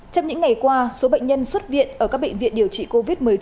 trong những ngày qua số bệnh nhân xuất viện ở các bệnh viện điều trị covid một mươi chín